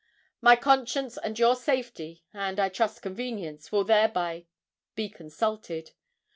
My conscience and your safety, and I trust convenience, will thereby be consulted.